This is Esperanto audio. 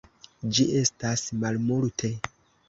Ĝi estas malmulte.